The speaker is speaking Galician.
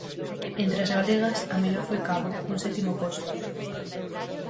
Entre as galegas, a mellor foi Cabo, cun sétimo posto.